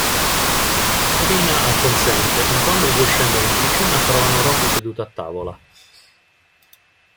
Trina acconsente, ma quando i due scendono in cucina trovano Rocky seduto a tavola.